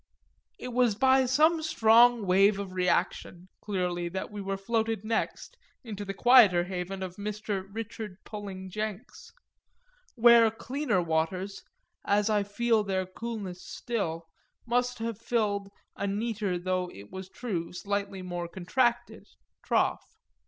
It was by some strong wave of reaction, clearly, that we were floated next into the quieter haven of Mr. Richard Pulling Jenks where cleaner waters, as I feel their coolness still, must have filled a neater though, it was true, slightly more contracted trough.